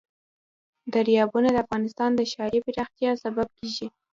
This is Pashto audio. دریابونه د افغانستان د ښاري پراختیا سبب کېږي.